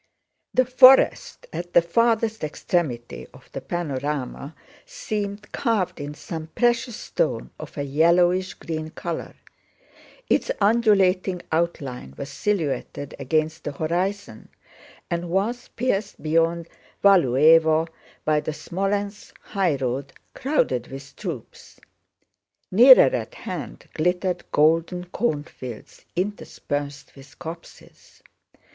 The forest at the farthest extremity of the panorama seemed carved in some precious stone of a yellowish green color; its undulating outline was silhouetted against the horizon and was pierced beyond Valúevo by the Smolénsk highroad crowded with troops. Nearer at hand glittered golden cornfields interspersed with copses.